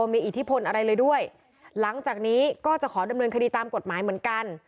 มีอิทธิพลอะไรเลยด้วยหลังจากนี้ก็จะขอดำเนินคดีตามกฎหมายเหมือนกัน